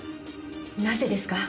なぜですか？